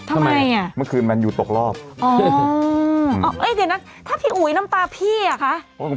ทำไมอ่ะเมื่อคืนแมนยูตกรอบเอ้ยเดี๋ยวนะถ้าพี่อุ๋ยน้ำตาพี่อ่ะคะ